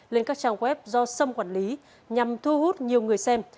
lên các trang web do sâm quản lý nhằm thu hút nhiều người xem